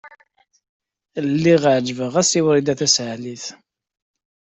Lliɣ ɛejbeɣ-as i Wrida Tasaḥlit.